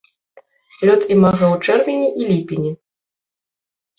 Лёт імага ў чэрвені і ліпені.